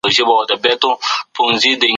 تاسو باید د روغتیايي لارښوونو پیروي وکړئ.